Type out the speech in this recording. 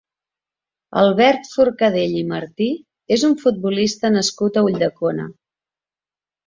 Albert Forcadell i Martí és un futbolista nascut a Ulldecona.